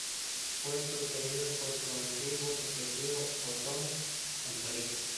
Fue sucedido por su antiguo protegido Otón Enrique.